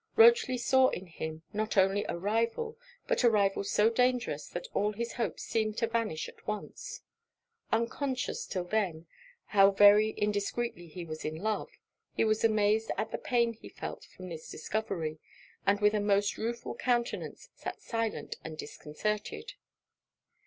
Rochely saw in him not only a rival, but a rival so dangerous that all his hopes seemed to vanish at once. Unconscious, 'till then, how very indiscreetly he was in love, he was amazed at the pain he felt from this discovery; and with a most rueful countenance, sat silent and disconcerted.